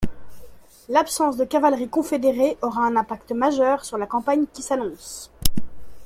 L'absence de cavalerie confédérée aura un impact majeur sur la campagne qui s'annonce.